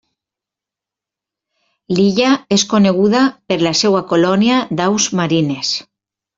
L'illa és coneguda per la seva colònia d'aus marines.